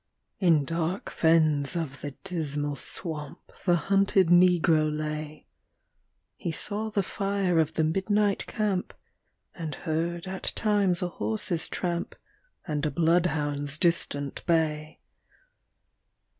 In dark fens of the Dismal Swamp The hunted Negro lay; He saw the fire of the midnight camp, And heard at times a horse's tramp And a bloodhound's distant bay.